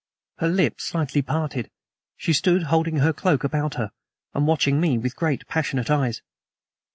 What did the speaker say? Her lips slightly parted, she stood, holding her cloak about her, and watching me with great passionate eyes.